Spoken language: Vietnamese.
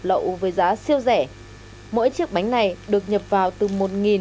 lậu với giá siêu rẻ mỗi chiếc bánh này được nhập vào từ một